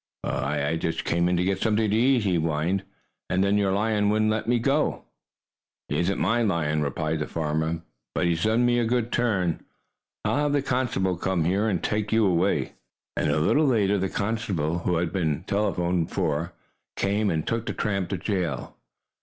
"I I just came in to get something to eat," he whined. "And then your lion wouldn't let me go." "He isn't my lion," replied the farmer. "But he's done me a good turn. I'll have the constable come here and take you away." And a little later the constable, who had been telephoned for, came and took the tramp to jail.